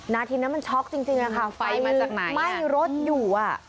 นาทีนั้นมันช็อกจริงค่ะไฟมันไหม้รถอยู่